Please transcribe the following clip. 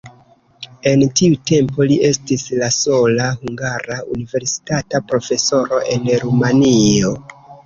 En tiu tempo li estis la sola hungara universitata profesoro en Rumanio.